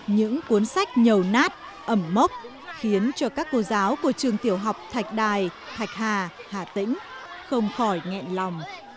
những cuốn sách nhầu nát ẩm mốc khiến cho các cô giáo của trường tiểu học thạch đài thạch hà hà tĩnh không khỏi nghẹn lòng